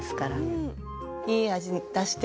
いい味出して。